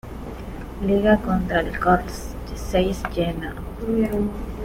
Liga contra el Carl Zeiss Jena.